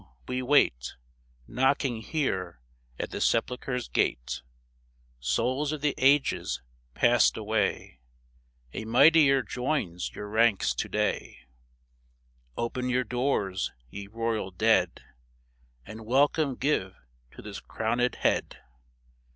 we wait Knocking here at the sepulchre's gate ! Souls of the Ages passed away, A mightier joins your ranks to day ; Open your doors, ye royal dead, And welcome give to this crowned head